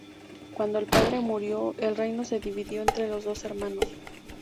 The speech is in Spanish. Cuando el padre murió, el reino se dividió entre los dos hermanos.